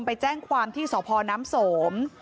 ไปแจ้งความที่สพน้ำสม